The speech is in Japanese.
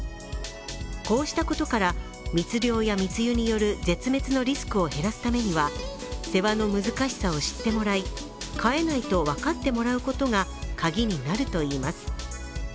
こうしたことから密猟や密輸による絶滅のリスクを減らすためには世話の難しさを知ってもらい飼えないと分かってもらうことがカギになるといいます。